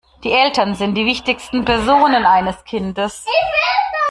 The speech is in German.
Die Eltern sind die wichtigsten Personen eines Kindes.